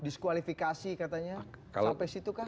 diskualifikasi katanya sampai situ kan